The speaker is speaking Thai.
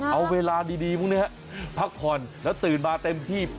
เอาเวลาดีพวกนี้พักผ่อนแล้วตื่นมาเต็มที่